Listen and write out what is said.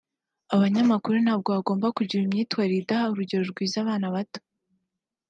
ˮAbanyamakuru ntabwo bagomba kugira imyitwarire idaha urugero rwiza abana batoˮ